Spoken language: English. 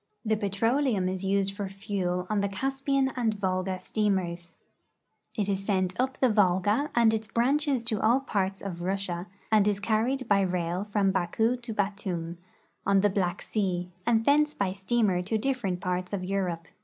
The petroleum is used for fuel on the Caspian and Volga steamers. It is sent up the Volga and its branches to all jiarts of Russia and is carrietl by rail from Baku to Batoum, on the 8 RUSSIA IN EUROPE ]^lack sea, and thence )jy steamer to different parts of Europe.